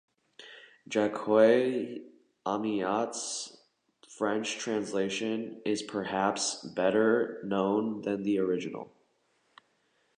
Jacques Amyot's French translation is perhaps better known than the original.